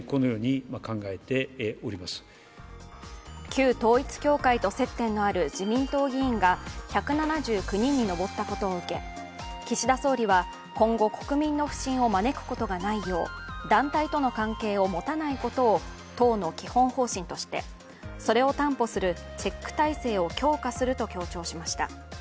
旧統一教会と接点のある自民党議員が１７９人に上ったことを受け岸田総理は今後、国民の不信を招くことがないよう団体との関係を持たないことを党の基本方針としてそれを担保するチェック体制を強化すると強調しました。